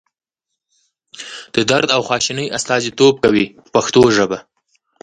د درد او خواشینۍ استازیتوب کوي په پښتو ژبه.